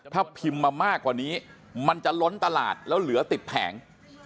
ถ้าพิมพ์มามากกว่านี้มันจะล้นตลาดแล้วเหลือติดแผง